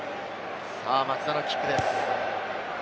松田のキックです。